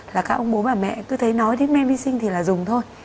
là các ông bố bà mẹ tôi thấy nói đến men vi sinh thì là dùng thôi